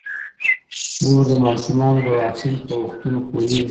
مور د ماشومانو د واکسین په وختونو پوهیږي.